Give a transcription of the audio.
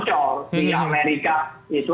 itu hari ini juga data masih bocor